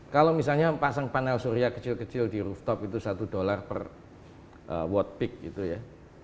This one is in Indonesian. kalau misalnya pasang panel surya kecil kecil di rooftop itu satu dolar per watt peak gitu ya